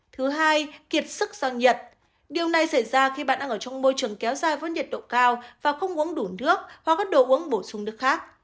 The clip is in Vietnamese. thứ hai kiệt sức sang nhiệt điều này xảy ra khi bạn đang ở trong môi trường kéo dài với nhiệt độ cao và không uống đủ nước hoặc các đồ uống bổ sung nước khác